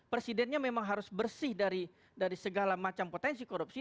presidennya memang harus bersih dari segala macam potensi korupsi